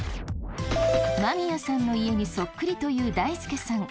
間宮さんの家にそっくりというだいすけさん。